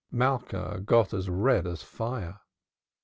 Malka got as red as fire.